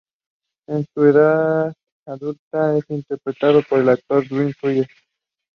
It was read out before the council during the fourth session.